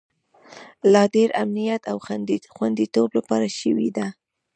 د لا ډیر امنیت او خوندیتوب لپاره شوې ده